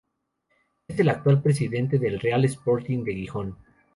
Es el actual presidente del Real Sporting de Gijón.